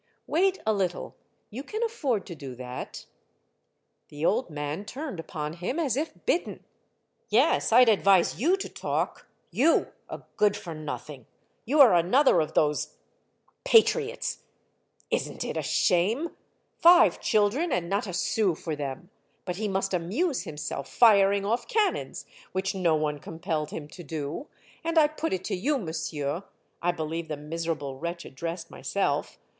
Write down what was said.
Wait a little. You can afford to do that." The old man turned upon him as if bitten. *' Yes, I 'd advise you to talk, you, a good for nothing ! You are another of those patriots ! Is n't it a shame ? Five children and not a sou for them, but he must amuse himself firing off cannons, which no one compelled him to do ; and I put it to you, monsieur " (I believe the miserable wretch addressed myself!)